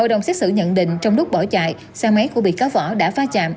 hội đồng xét xử nhận định trong lúc bỏ chạy xe máy của bị cáo vỏ đã va chạm